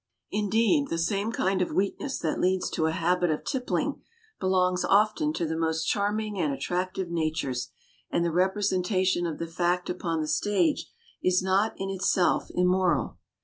Indeed, the same kind of weakness that leads to a habit of tippling belongs often to the most charming and attractive natures, and the representation of the fact upon the stage is not in itself immoral.